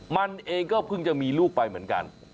มันเองก็เพิ่งจะมีลูกไปเหมือนกัน